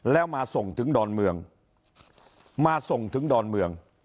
แล้วมาส่งถึงดอนเมืองมาส่งถึงดอนเมือง